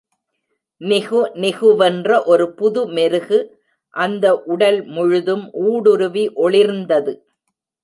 நிகு நிகுவென்ற ஒரு புது மெருகு அந்த உடல் முழுதும் ஊடுருவி ஒளிர்ந்தது.